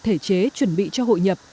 thể chế chuẩn bị cho hội nhập